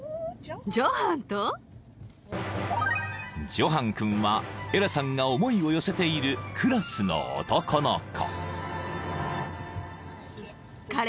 ［ジョハン君はエラさんが思いを寄せているクラスの男の子］